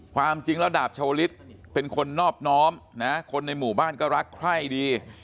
ความจริงแล้วดาบชาวลิศเป็นคนนอบน้อมนะคนในหมู่บ้านก็รักใคร่ดี